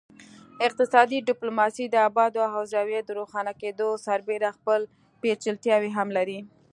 اقتصادي ډیپلوماسي د ابعادو او زاویو د روښانه کیدو سربیره خپل پیچلتیاوې هم لري